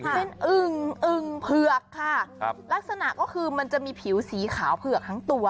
เป็นอึ่งอึ่งเผือกค่ะครับลักษณะก็คือมันจะมีผิวสีขาวเผือกทั้งตัว